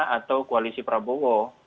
atau koalisi prabowo